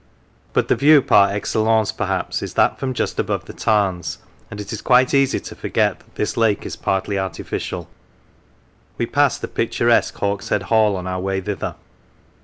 But the view 'par excellence^ perhaps, is that from just above the Tarns, and it is quite easy to forget that this lake is partly artificial. We pass the picturesque Hawkshead Hall on our way thither.